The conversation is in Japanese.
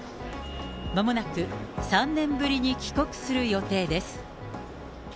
まもなく３年ぶりに帰国する予定です。